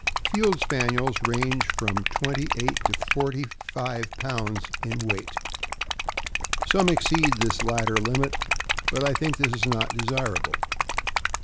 Field Spaniels range from twenty eight to forty live pounds weight. Some exceed this latter limit, but I think this is not desirable.